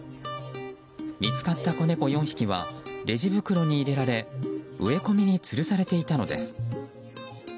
見つかった子猫４匹はレジ袋に入れられ植え込みにつるされていたのです。